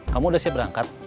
kamu udah siap berangkat